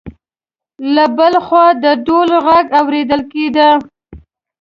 له بل خوا د ډول غږ اورېدل کېده.